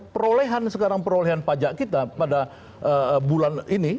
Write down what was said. perolehan sekarang perolehan pajak kita pada bulan ini